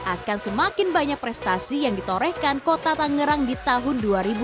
akan semakin banyak prestasi yang ditorehkan kota tangerang di tahun dua ribu dua puluh